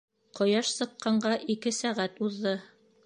Ҡояш сыҡҡанға ике сәғәт уҙҙы.